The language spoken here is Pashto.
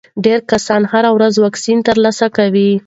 ډېر کسان هره ورځ واکسین ترلاسه کوي.